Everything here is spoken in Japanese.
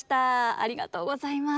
ありがとうございます。